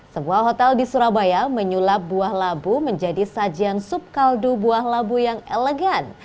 sebuah hotel di surabaya menyulap buah labu menjadi sajian sup kaldu buah labu yang elegan